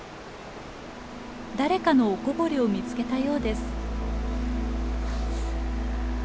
誰かのおこぼれを見つけたようです。